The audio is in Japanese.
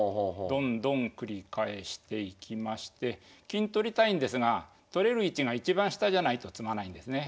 どんどん繰り返していきまして金取りたいんですが取れる位置が一番下じゃないと詰まないんですね。